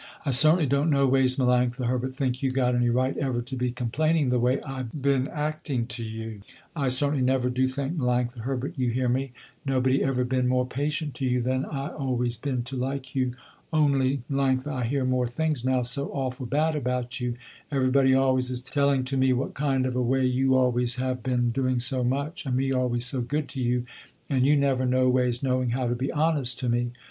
"I certainly don't no ways Melanctha Herbert think you got any right ever to be complaining the way I been acting to you. I certainly never do think Melanctha Herbert, you hear me, nobody ever been more patient to you than I always been to like you, only Melanctha, I hear more things now so awful bad about you, everybody always is telling to me what kind of a way you always have been doing so much, and me always so good to you, and you never no ways, knowing how to be honest to me.